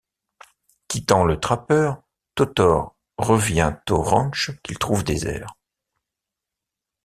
Quittant le trappeur, Totor revient au ranch qu'il trouve désert.